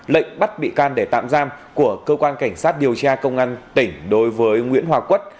lệnh bắt bị can để tạm giam của cơ quan cảnh sát điều tra công an tỉnh đối với nguyễn hòa quất